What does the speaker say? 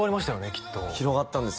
きっと広がったんです